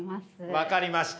分かりました。